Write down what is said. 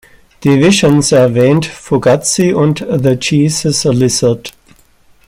Die Visions erwähnt Fugazi und The Jesus Lizard.